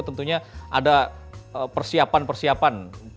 tentunya ada persiapan persiapan